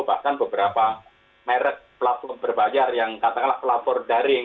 bahkan beberapa merek platform berbayar yang katakanlah pelapor daring